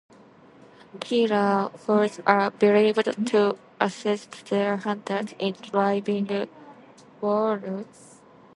Killer whales are believed to assist their hunters in driving walrus.